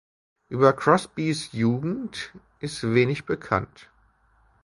Über Crosbys Jugend ist wenig bekannt.